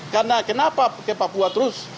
karena kenapa ke papua terus